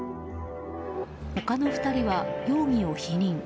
他の２人は容疑を否認。